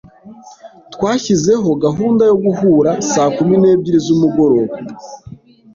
Twashyizeho gahunda yo guhura saa kumi n'ebyiri z'umugoroba.